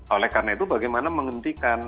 oleh karena itu bagaimana menghentikan